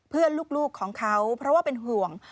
ลูกของเขาเพราะว่าเป็นห่วง